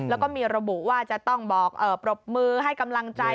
แล้วก็มีระบุว่าจะต้องบอกปรบมือให้กำลังใจ